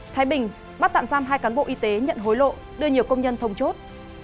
thái bình bắt tạm giam hai cán bộ y tế nhận hối lộ đưa nhiều công nhân thông chốt